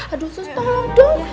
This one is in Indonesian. aduh sus tolong dong